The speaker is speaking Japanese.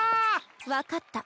分かった。